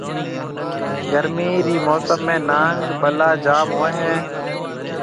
گرمي رَي موسم ۾ نانگ ، بلا جام ھوئيَ ھيََََ